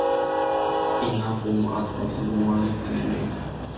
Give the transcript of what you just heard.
It now forms a part of the more recent Millennium Coastal Park.